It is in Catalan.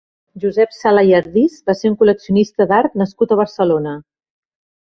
Josep Sala i Ardiz va ser un col·leccionista d’art nascut a Barcelona.